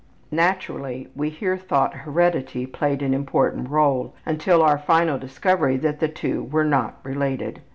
Naturally we here thought heredity played an important role, until our final discovery that the two were not related.